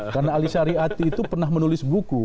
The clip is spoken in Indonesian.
karena alisari ati itu pernah menulis buku